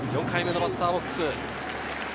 ４回目のバッターボックス。